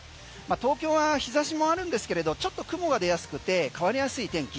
東京は日差しもあるんですけれどちょっと雲が出やすくて変わりやすい天気